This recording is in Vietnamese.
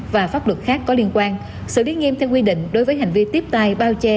và pháp luật khác có liên quan xử lý nghiêm theo quy định đối với hành vi tiếp tay bao che